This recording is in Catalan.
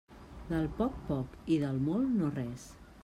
Del poc, poc, i del molt, no res.